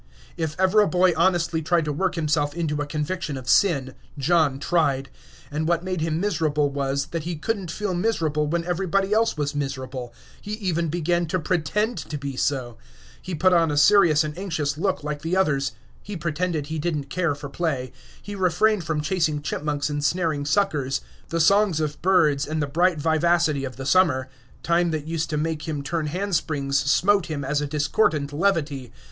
If ever a boy honestly tried to work himself into a conviction of sin, John tried. And what made him miserable was, that he couldn't feel miserable when everybody else was miserable. He even began to pretend to be so. He put on a serious and anxious look like the others. He pretended he did n't care for play; he refrained from chasing chipmunks and snaring suckers; the songs of birds and the bright vivacity of the summer time that used to make him turn hand springs smote him as a discordant levity.